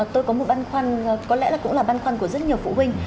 tôi có một băn khoăn có lẽ là cũng là băn khoăn của rất nhiều phụ huynh